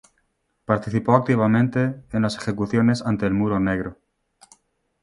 Participó activamente en las ejecuciones ante el Muro negro.